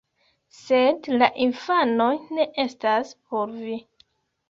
Sed la infanoj ne estas por vi